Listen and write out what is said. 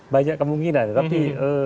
banyak kemungkinan tapi